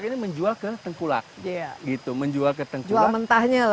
di kl noh